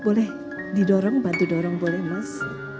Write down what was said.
boleh didorong bantu dorong boleh mas